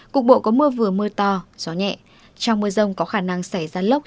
cục bộ có mưa vừa mưa to gió nhẹ trong mưa rông có khả năng xảy ra lốc